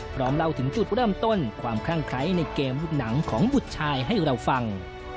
เล่าถึงจุดเริ่มต้นความคลั่งไคร้ในเกมลูกหนังของบุตรชายให้เราฟัง